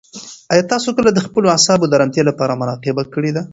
آیا تاسو کله د خپلو اعصابو د ارامتیا لپاره مراقبه کړې ده؟